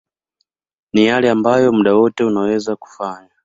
ni yale ambayo muda wote unaweza kufanya